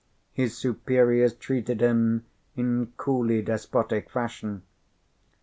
His superiors treated him in coolly despotic fashion.